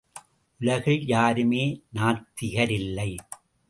உலகில் யாருமே நாத்திகரில்லை.